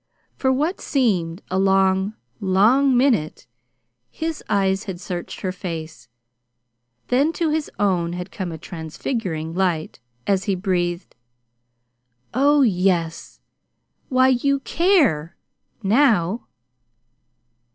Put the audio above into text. For what seemed a long, long minute his eyes had searched her face; then to his own had come a transfiguring light, as he breathed: "Oh, yes! Why, you CARE, now!"